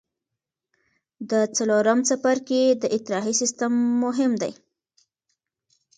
د څلورم څپرکي د اطراحي سیستم مهم دی.